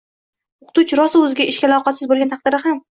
o‘qituvchi rosa o‘z ishiga layoqatsiz bo‘lgan taqdirda ham